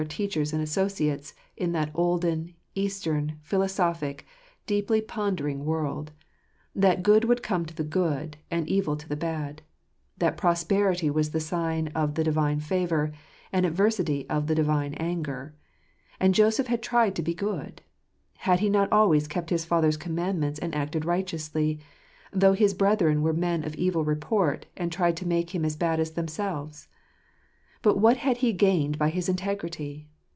teachers and associates in that olden, Eastern, philosophic, deeply pondering world : that good would come to the good, and evil to the bad ; that prosperity was the sign of the Divine favour, and adversity of the Divine anger. And Joseph had tried to be good. Had he not always kept his father's commandments and acted righteously, though his brethren were men of evil report, and tried to make him as bad as themselves? But what had he gained by his integrity?